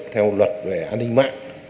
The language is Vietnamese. theo luật về an ninh mạng